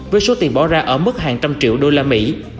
với số tiền bỏ ra ở mức hàng trăm triệu đô la mỹ